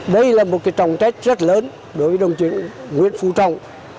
đây là một trọng trách rất lớn đối với đồng chí nguyễn phú trọng